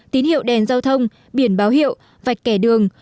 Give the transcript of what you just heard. tín hiệu đèn giao thông biển báo hiệu vạch kẻ đường